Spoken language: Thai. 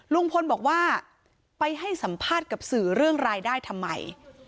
ลุงพลบอกว่าไปให้สัมภาษณ์กับสื่อเรื่องรายได้ทำไม